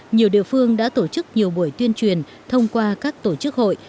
nhiều địa phương đã tổ chức nhiều buổi tuyên truyền thông qua các tổ chức hội